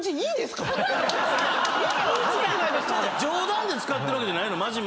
冗談で使ってるわけじゃないの？